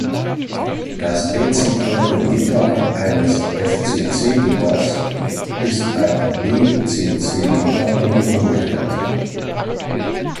Das reziproke Gitter eines fcc-Gitters ist ein bcc-Gitter und umgekehrt.